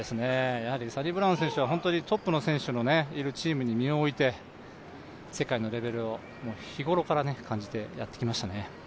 サニブラウン選手、トップの選手のいるチームに身を置いて世界のレベルを日頃から感じてやってきましたね。